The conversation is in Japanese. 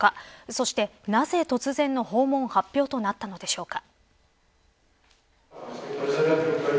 そして、なぜ突然の訪問発表となったのでしょうか。